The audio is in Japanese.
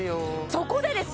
そこでですよ